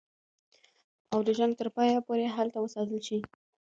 او د جنګ تر پایه پوري هلته وساتل شي.